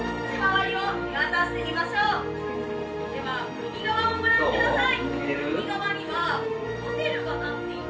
では右側をご覧ください。